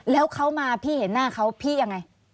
แล้วเขามาพี่เห็นหน้าเขาพี่ยังไง